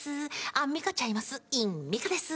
アンミカちゃいます。